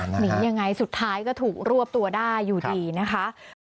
หนียังไงสุดท้ายก็ถูกรวบตัวได้อยู่ดีนะคะ